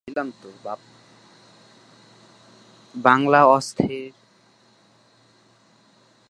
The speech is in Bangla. বাংলার অস্থির, দ্বন্দ্বপূর্ণ সামাজিক কাঠামোতে বিচারব্যবস্থার বহু বিচিত্র ধারা বিকাশ লাভ করেছিল।